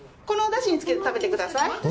このおだしにつけて食べてください。